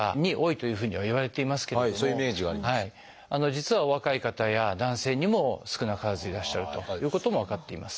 実はお若い方や男性にも少なからずいらっしゃるということも分かっています。